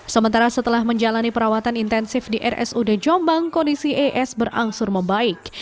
sementara setelah menjalani perawatan intensif di rsud jombang kondisi es berangsur membaik